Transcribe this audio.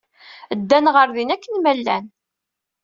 Ddan ɣer din akken ma llan.